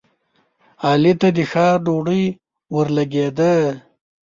علي ته د ښار ډوډۍ ورلګېده.